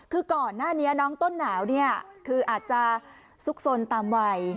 คือก่อนหน้านี้น้องต้นหนาวเนี่ยคืออาจจะซุกสนตามวัย